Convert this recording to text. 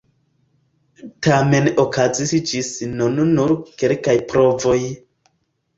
Tamen okazis ĝis nun nur kelkaj provoj.